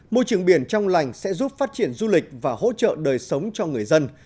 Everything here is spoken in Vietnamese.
môi trường biển trong lành sẽ giúp phát triển du lịch và hỗ trợ đời sống cho người dân